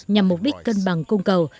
nhằm mục đích cân bằng cung cầu